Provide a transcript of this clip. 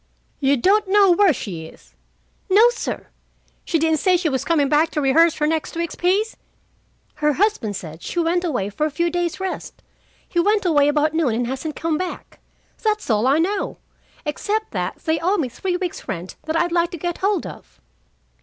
"You don't know where she is?" "No, sir." "She didn't say she was coming back to rehearse for next week's piece?" "Her husband said she went away for a few days' rest. He went away about noon and hasn't come back. That's all I know, except that they owe me three weeks' rent that I'd like to get hold of."